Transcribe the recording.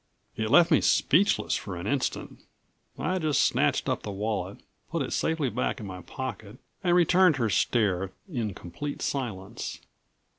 It left me speechless for an instant. I just snatched up the wallet, put it safely back in my pocket and returned her stare in complete silence.